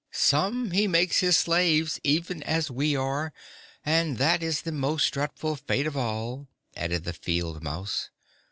"Some he makes his slaves even as we are and that is the most dreadful fate of all," added the field mouse.